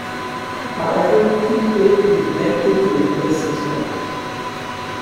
However, Ku-Klip neglected to replace his heart.